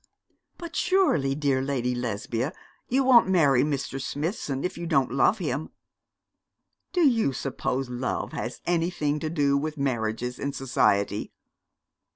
'But surely, dear Lady Lesbia, you won't marry Mr. Smithson, if you don't love him?' 'Do you suppose love has anything to do with marriages in society?'